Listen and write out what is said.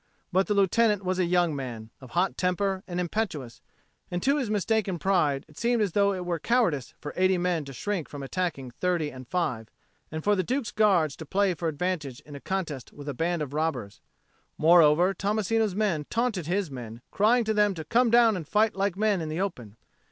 But the Lieutenant was a young man, of hot temper and impetuous, and to his mistaken pride it seemed as though it were cowardice for eighty men to shrink from attacking thirty and five, and for the Duke's Guards to play for advantage in a contest with a band of robbers. Moreover Tommasino's men taunted his men, crying to them to come down and fight like men in the open.